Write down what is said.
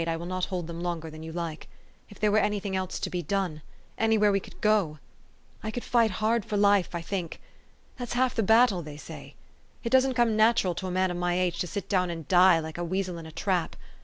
I will not hold them longer than } T OU like. If there were any thing else to be done anywhere we could go ! I could fight hard for life, I think. That's half the battle, they say. It doesn't come natural to a man of my THE STORY OF AVIS. 389 age to sit down and die, like a weasel in a trap.